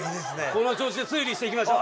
この調子で推理していきましょう。